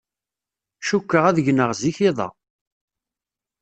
Cukkeɣ ad gneɣ zik iḍ-a.